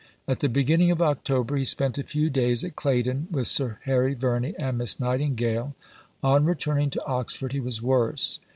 At the beginning of October he spent a few days at Claydon with Sir Harry Verney and Miss Nightingale. On returning to Oxford he was worse.